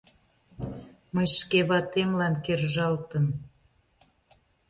Мый шке ватемлан кержалтым.